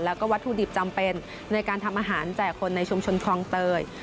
แล้วก็วัตถุดิบจำเป็นในการทำอาหารแจกคนในชุมชนคลองเตย